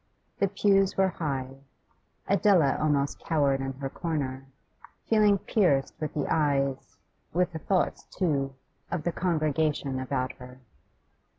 The pews were high; Adela almost cowered in her corner, feeling pierced with the eyes, with the thoughts too, of the congregation about her.